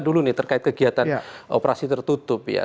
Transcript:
dulu nih terkait kegiatan operasi tertutup ya